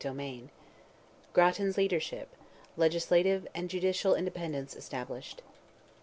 CHAPTER VIII. GRATTAN'S LEADERSHIP—LEGISLATIVE AND JUDICIAL INDEPENDENCE ESTABLISHED.